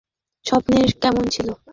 স্বপ্নের শেষটা কেমন ছিল?